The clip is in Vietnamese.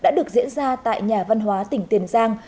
đã được diễn ra tại nhà văn hóa tỉnh tiền giang